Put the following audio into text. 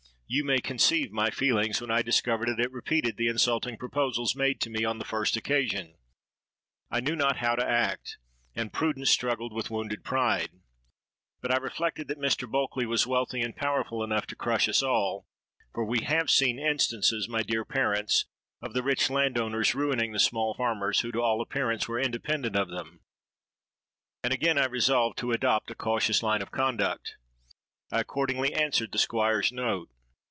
you may conceive my feelings, when I discovered that it repeated the insulting proposals made to me on the first occasion. I knew not how to act; and prudence struggled with wounded pride. But I reflected that Mr. Bulkeley was wealthy and powerful enough to crush us all—for we have seen instances, my dear parents, of the rich landowners ruining the small farmers, who to all appearance were independent of them: and again I resolved to adopt a cautious line of conduct. I accordingly answered the Squire's note.